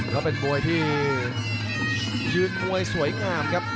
ก็เป็นมวยที่ยืนมวยสวยงามครับ